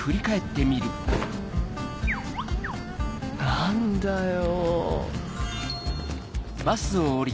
何だよ